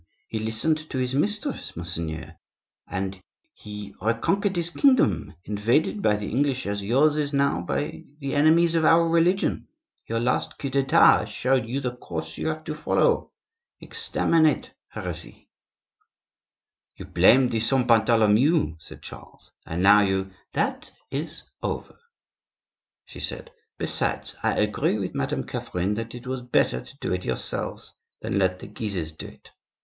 He listened to his mistress, monseigneur, and he reconquered his kingdom, invaded by the English as yours is now by the enemies of our religion. Your last coup d'Etat showed you the course you have to follow. Exterminate heresy." "You blamed the Saint Bartholomew," said Charles, "and now you—" "That is over," she said; "besides, I agree with Madame Catherine that it was better to do it yourselves than let the Guises do it."